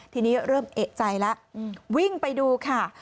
ทีนี้เริ่มเอกใจแล้ววิ่งไปดูค่ะ